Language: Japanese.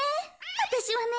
わたしはね